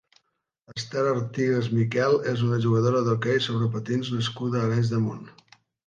Ester Artigas Miquel és una jugadora d'hoquei sobre patins nascuda a Arenys de Munt.